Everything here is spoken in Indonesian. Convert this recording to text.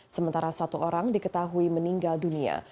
sementara satu orang diketahui meninggal dunia